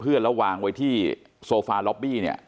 แล้ววางไว้ที่โซฟาล็อบบี้เนี่ย